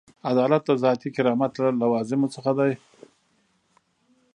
عدالت د ذاتي کرامت له لوازمو څخه دی.